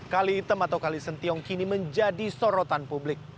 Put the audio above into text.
kalitem atau kalisentiong kini menjadi sorotan publik